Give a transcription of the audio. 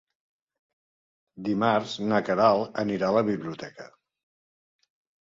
Dimarts na Queralt anirà a la biblioteca.